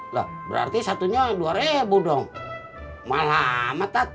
lah berarti satunya dua ribu dong malah amatat